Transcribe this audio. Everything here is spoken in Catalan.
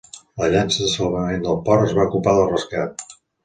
La llanxa de salvament del port es va ocupar del rescat.